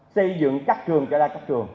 xây dựng các trường cho ra các trường